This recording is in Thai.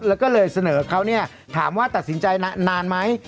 แล้วก็เลยเสนอเขาเนี่ยถามว่าตัดสินใจนานไหม